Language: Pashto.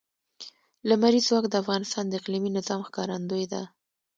لمریز ځواک د افغانستان د اقلیمي نظام ښکارندوی ده.